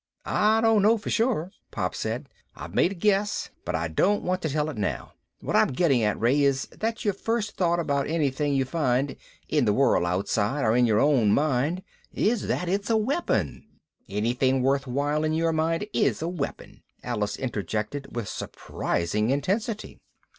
"I don't know for sure," Pop said. "I've made a guess, but I don't want to tell it now. What I'm getting at, Ray, is that your first thought about anything you find in the world outside or in your own mind is that it's a weapon." "Anything worthwhile in your mind is a weapon!" Alice interjected with surprising intensity.